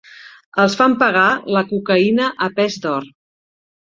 Els fan pagar la cocaïna a pes d'or.